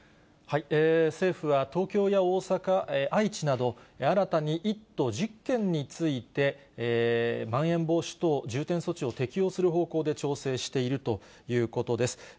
政府は東京や大阪、愛知など、新たに１都１０県について、まん延防止等重点措置を適用する方向で調整しているということです。